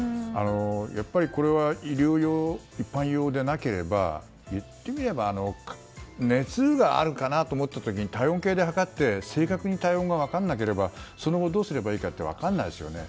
やっぱりこれは医療用、一般用じゃなければ言ってみれば、熱があるかなと思った時に体温計で測って正確に体温が分からなければその後どうすればいいか分からないですよね。